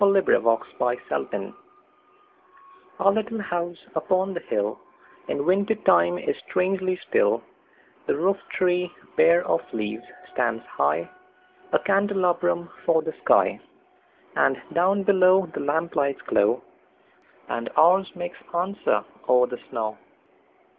Our Little House OUR little house upon the hillIn winter time is strangely still; The roof tree, bare of leaves, stands high,A candelabrum for the sky, And down below the lamplights glow, And ours makes answer o'er the snow.